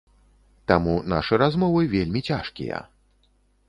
Таму нашы размовы вельмі цяжкія.